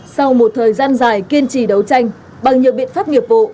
sau một thời gian dài kiên trì đấu tranh bằng nhiều biện pháp nghiệp vụ